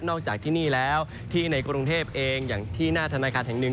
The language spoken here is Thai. จากที่นี่แล้วที่ในกรุงเทพเองอย่างที่หน้าธนาคารแห่งหนึ่ง